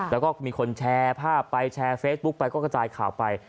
แล้วก็มีคนแชร์ภาพไปแชร์เฟซบุ๊กไปก็กระจายข่าวไป